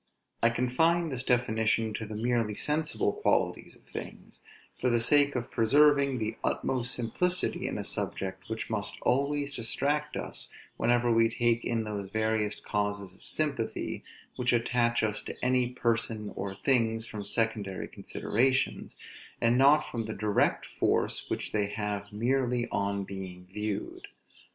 I confine this definition to the merely sensible qualities of things, for the sake of preserving the utmost simplicity in a subject, which must always distract us whenever we take in those various causes of sympathy which attach us to any persons or things from secondary considerations, and not from the direct force which they have merely on being viewed.